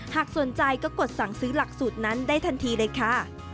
หากสนใจก็กดสั่งซื้อหลักสูตรนั้นได้ทันทีเลยค่ะ